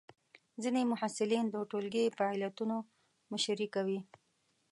ځینې محصلین د ټولګی فعالیتونو مشري کوي.